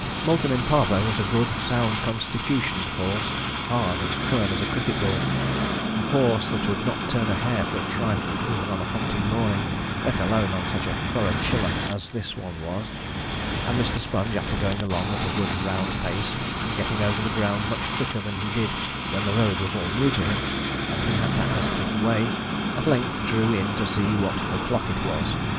Multum in Parvo was a good, sound constitutioned horse, hard and firm as a cricket ball, a horse that would not turn a hair for a trifle even on a hunting morning, let alone on such a thorough chiller as this one was; and Mr. Sponge, after going along at a good round pace, and getting over the ground much quicker than he did when the road was all new to him, and he had to ask his way, at length drew in to see what o'clock it was.